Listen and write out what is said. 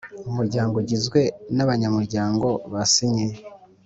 Umuryango ugizwe n’ abanyamuryango basinye